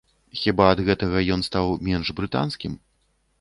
Хіба ад гэтага ён стаў менш брытанскім?